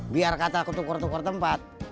biar kata aku tukur tukur tempat